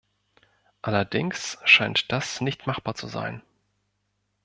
Allerdings scheint das nicht machbar zu sein.